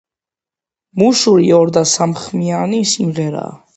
მუშური ორ და სამხმიანი სიმღერაა.